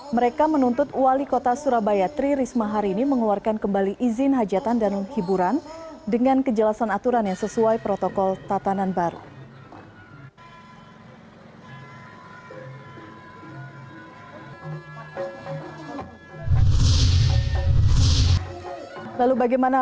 mereka menuntut wali kota surabaya tri risma hari ini mengeluarkan kembali izin hajatan dan hiburan dengan kejelasan aturan yang sesuai protokol tatanan baru